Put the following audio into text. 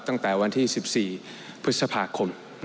ตั้งแต่วันที่๑๔พฤษภาคม